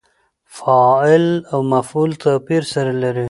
فاعل او مفعول توپیر سره لري.